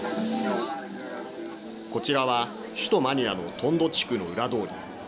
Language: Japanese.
こちらは、首都マニラのトンド地区の裏通り。